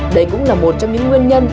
đây cũng là một trong những nguyên nhân